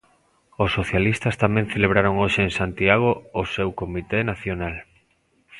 Os socialistas tamén celebraron hoxe en Santiago o seu comité nacional.